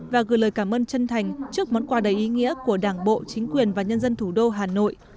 và gửi lời cảm ơn chân thành trước món quà đầy ý nghĩa của đảng bộ chính quyền và nhân dân thủ đô hà nội